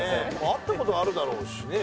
会った事はあるだろうしね